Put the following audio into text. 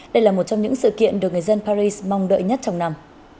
đây là một trong những sự kiện được người dân paris mong đợi nhất trong năm